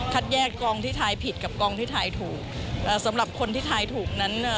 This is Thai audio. คัดแยกกองที่ท้ายผิดกับกองที่ท้ายถูกสำหรับคนที่ท้ายถูกนั้น